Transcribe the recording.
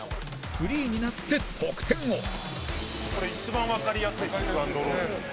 フリーになって得点を副島：これ、一番わかりやすいピック＆ロールですね。